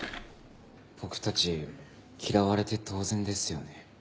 僕たち嫌われて当然ですよね。